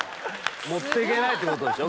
持って行けないってことでしょ？